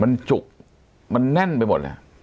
มันจุกมันแน่นไปหมดเลย